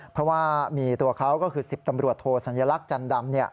เพราะว่ามีตัวเขาก็คือ๑๐ตำรวจโทสัญลักษณ์จันดำ